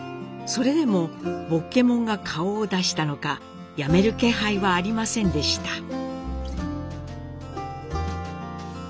それでも「ぼっけもん」が顔を出したのかやめる気配はありませんでした。